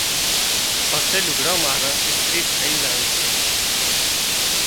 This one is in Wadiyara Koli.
پسي لُگھڙان ماران اِسترِي ٿئي زائي سي۔